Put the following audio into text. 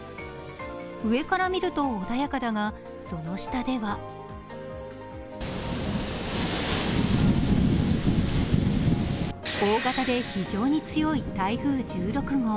上から見ると穏やかだがその下では大型で非常に強い台風１６号。